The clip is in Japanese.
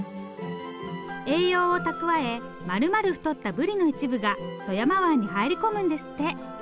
栄養を蓄えまるまる太ったブリの一部が富山湾に入り込むんですって。